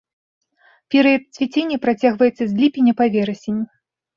Перыяд цвіцення працягваецца з ліпеня па верасень.